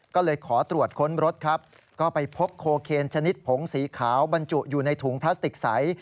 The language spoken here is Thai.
ก็เลยขอตรวจค้นรถครับก็ไปพบโคเคนชนิดผงสีขาวบรรจุอยู่ในถุงพลาสติกใส